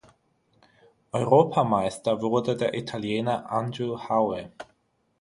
Europameister wurde der Italiener Andrew Howe.